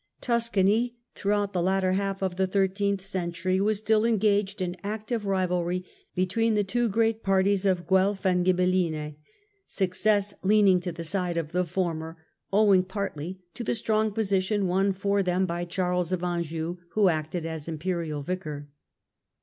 Tuscany throughout the latter half of the thirteenth century was still engaged in active rivalry between the two great parties of Guelf and Ghibel Ghibeiiiues 44 THE END OF THE MIDDLE AGE line, success leaning to the side of the former, owing partly to the strong position won for them by Charles of Anjou who acted as Imperial Vicar.